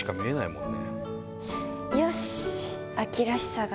よし！